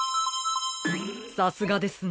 さすがですね。